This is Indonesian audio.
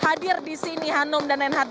hadir di sini hanum dan reinhardt